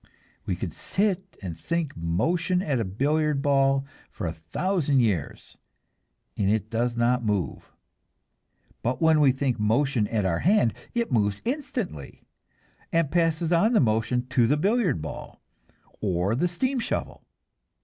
We can sit and think motion at a billiard ball for a thousand years, and it does not move; but when we think motion at our hand, it moves instantly, and passes on the motion to the billiard ball or the steam shovel.